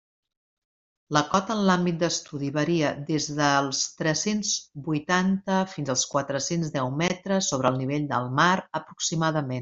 La cota en l'àmbit d'estudi varia des dels tres-cents huitanta fins als quatre-cents deu metres sobre el nivell del mar aproximadament.